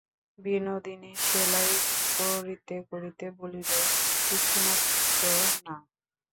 বিনোদিনী সেলাই করিতে করিতে বলিল, কিছুমাত্র না।